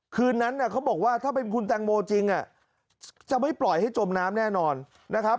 คืนนั้นเขาบอกว่าถ้าเป็นคุณแตงโมจริงจะไม่ปล่อยให้จมน้ำแน่นอนนะครับ